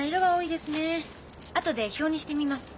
後で表にしてみます。